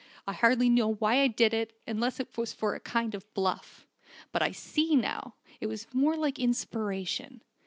I hardly knew why I did it, unless it was for a kind of bluff. But I see now, it was more like inspiration.